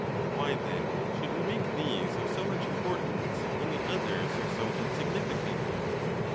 Why, then, should we make these of so much importance, when the others are so insignificant